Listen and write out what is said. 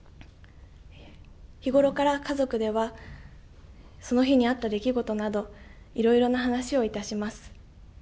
日頃から家族ではその日にあった出来事などいろいろな話をいたします。